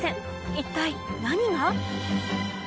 一体何が？